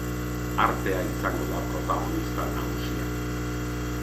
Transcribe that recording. Artea izango da protagonista nagusia.